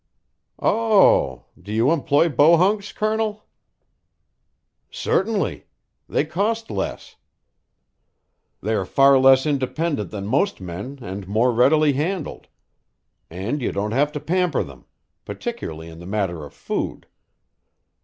"Oh h h! Do you employ bohunks, Colonel?" "Certainly. They cost less; they are far less independent than most men and more readily handled. And you don't have to pamper them particularly in the matter of food.